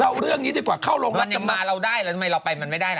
เล่าเรื่องนี้ดีกว่าเข้าโรงรับจำนำมันยังมาเราได้ทำไมเราไปมันไม่ได้ล่ะ